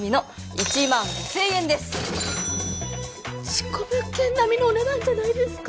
事故物件なみのお値段じゃないですか！